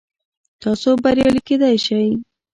تاسو بریالي کیدی شئ